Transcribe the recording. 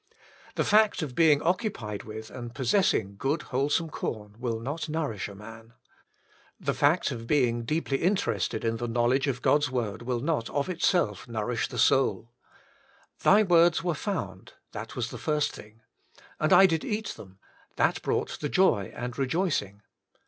The fact of being occupied with, and possessing good wholesome corn, will not nourish a man. The fact of being deeply interested in the knowledge Feeding on the Word iii of God's word will not of itself nourish the soul. *' Thy words were found " that was the first thing. " And I did eat them ''— that brought the joy and rejoicing.